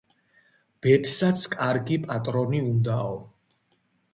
ბედსაც კარგი, პატრონი უნდაო.